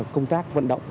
công tác vận động